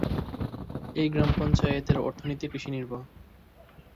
এই গ্রাম পঞ্চায়েতের অর্থনীতি কৃষি নির্ভর।